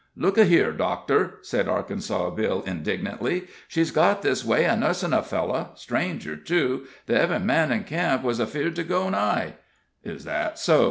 "Look a' here, doctor," said Arkansas Bill, indignantly; "she's got this way a nussin' a feller stranger, too that ev'ry man in camp wuz afeard to go nigh." "Is that so?"